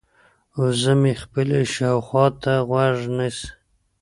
وزه مې خپلې شاوخوا ته غوږ نیسي.